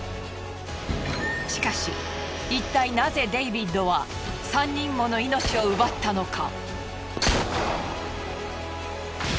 しかしいったいなぜデイビッドは３人もの命を奪ったのか？